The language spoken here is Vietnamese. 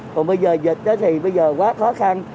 còn bây giờ dịch thì bây giờ quá khó khăn